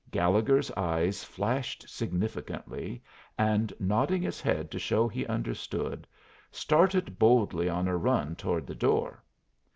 Gallegher's eyes flashed significantly, and, nodding his head to show he understood, started boldly on a run toward the door.